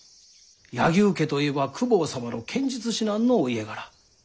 柳生家といえば公方様の剣術指南のお家柄。